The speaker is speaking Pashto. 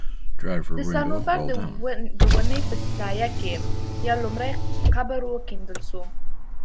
د صنوبر د وني په سايه کي يو لوى قبر وکيندل سو